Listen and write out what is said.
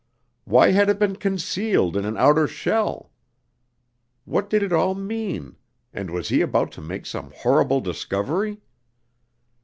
Why had it been concealed in an outer shell? What did it all mean, and was he about to make some horrible discovery?